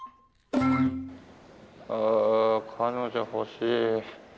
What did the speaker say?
ああ彼女欲しい。